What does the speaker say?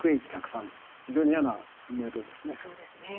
非常に嫌なムードですね。